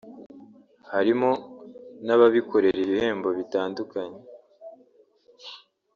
harimo n’ababikorera ibihembo bitandukanye